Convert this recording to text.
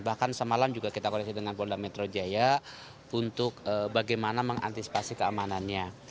bahkan semalam juga kita koreksi dengan polda metro jaya untuk bagaimana mengantisipasi keamanannya